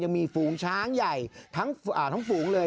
ฝูงช้างใหญ่ทั้งฝูงเลย